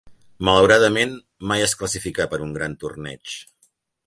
Malauradament mai es classificà per un gran torneig.